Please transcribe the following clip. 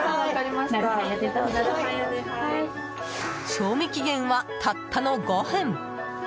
賞味期限は、たったの５分！